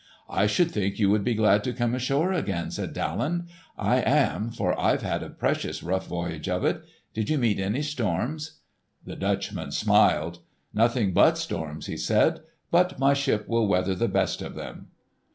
"I should think you would be glad to come ashore again," said Daland. "I am, for I've had a precious rough voyage of it. Did you meet any storms?" The Dutchman smiled. "Nothing but storms," he said, "but my ship will weather the best of them."